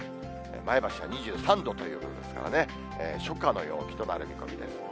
前橋は２３度ということですからね、初夏の陽気となる見込みです。